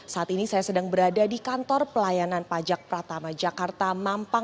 saat ini saya sedang berada di kantor pelayanan pajak pratama jakarta mampang